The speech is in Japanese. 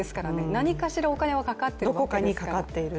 何かしらお金はかかっていますから。